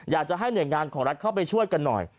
อยากจะให้หน่วยงานของรัฐเข้าไปช่วยกันหน่อย